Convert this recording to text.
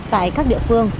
tại các địa phương